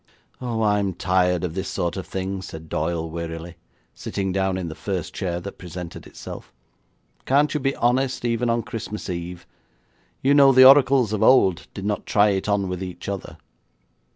'Oh, I'm tired of this sort of thing,' said Doyle wearily, sitting down in the first chair that presented itself. 'Can't you be honest, even on Christmas Eve? You know the oracles of old did not try it on with each other.'